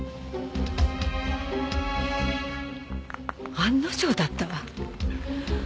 案の定だったわ。